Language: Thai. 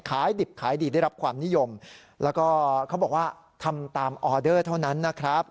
ดิบขายดีได้รับความนิยมแล้วก็เขาบอกว่าทำตามออเดอร์เท่านั้นนะครับ